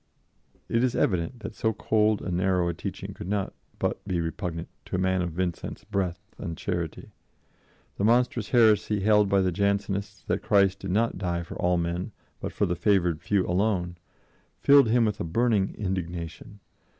It is evident that so cold and narrow a teaching could not but be repugnant to a man of Vincent's breadth and charity. The monstrous heresy held by the Jansenists that Christ did not die for all men, but for the favored few alone, filled him with a burning indignation.